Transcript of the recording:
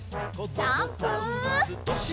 ジャンプ！